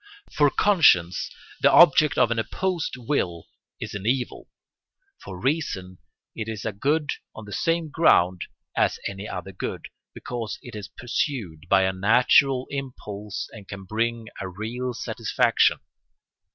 For conscience the object of an opposed will is an evil, for reason it is a good on the same ground as any other good, because it is pursued by a natural impulse and can bring a real satisfaction.